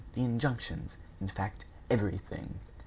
the injunctions! in fact, everything!